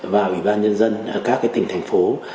và ủy ban nhân dân các tỉnh thành phố